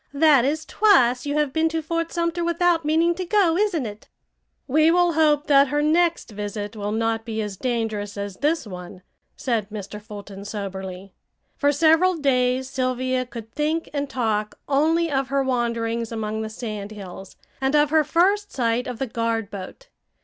"That is twice you have been to Fort Sumter without meaning to go, isn't it?" "We will hope that her next visit will not be as dangerous as this one," said Mr. Fulton soberly. For several days Sylvia could think and talk only of her wanderings among the sand hills, and of her first sight of the guard boat.